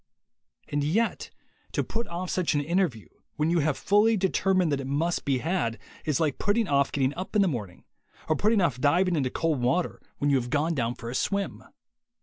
And yet to put off such an interview, when you have fully determined that it must be had, is like putting off getting up in the morning, or putting off diving into cold water when you have gone down for a swim.